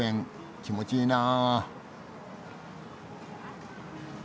気持ちいいなあ。